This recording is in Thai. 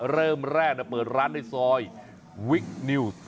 เริ่มแรกเปิดร้านในซอยวิคนิวส์